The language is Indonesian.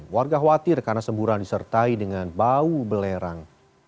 warga khawatir karena semburan disertai dengan bau belerang